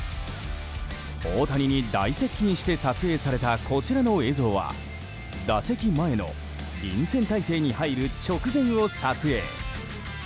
大谷に大接近して撮影されたこちらの映像は打席前の臨戦態勢に入る直前を撮影。